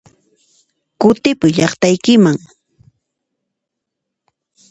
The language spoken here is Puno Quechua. Kutipuy llaqtaykiman!